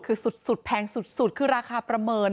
คือสุดแพงสุดคือราคาประเมิน